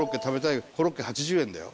コロッケ８０円だよ。